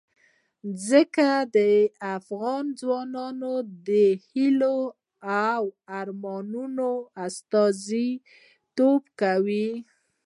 ځمکه د افغان ځوانانو د هیلو او ارمانونو استازیتوب کوي.